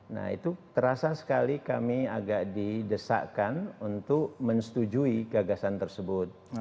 nah itu terasa sekali kami agak didesakkan untuk menyetujui gagasan tersebut